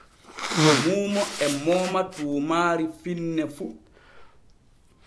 Muumo e mooma tuumaari finne fu.